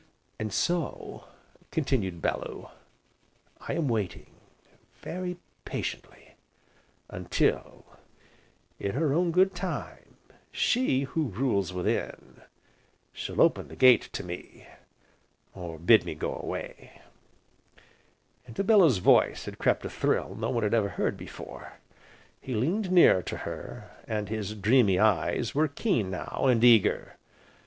"And so," continued Bellew, "I am waiting, very patiently, until, in her own good time, she who rules within, shall open the gate to me, or bid me go away." Into Bellew's voice had crept a thrill no one had ever heard there before; he leaned nearer to her, and his dreamy eyes were keen now, and eager.